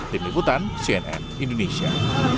tim liputan cnn indonesia